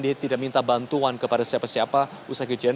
dia tidak minta bantuan kepada siapa siapa usai kejadian